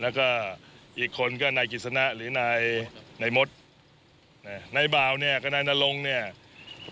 แล้วก็อีกคนก็นายกิจสนะหรือนายนายมดนายบ่าวเนี่ยก็นายนรงเนี่ย